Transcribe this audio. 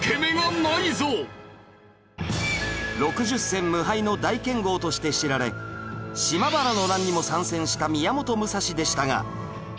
６０戦無敗の大剣豪として知られ島原の乱にも参戦した宮本武蔵でしたが